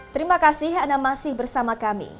terima kasih anda masih bersama kami